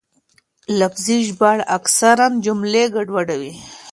لفظي ژباړه اکثراً جملې ګډوډوي.